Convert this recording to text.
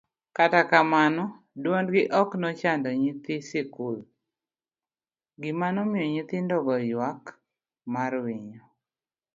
kata kamano duondgi ok nochando nyithi skul, gima nomiyo nyithindogo ywak mar winyo